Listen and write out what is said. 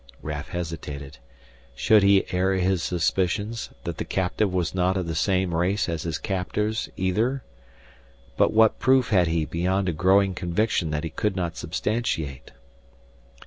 Raf hesitated. Should he air his suspicions, that the captive was not of the same race as his captors either? But what proof had he beyond a growing conviction that he could not substantiate?